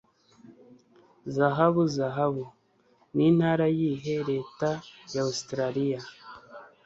Zahabu Zahabu Nintara Yihe Leta ya Australiya?